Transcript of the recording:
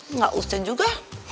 enggak usah juga